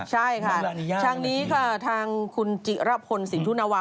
ใช่ค่ะทางนี้ค่ะทางคุณจิระพลสินทุนวา